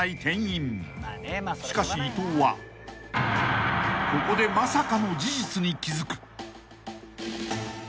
［しかし伊藤はここでまさかの事実に気付く］